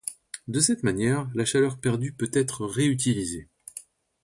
De cette manière, la chaleur perdue peut être réutilisée.